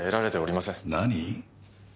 何！？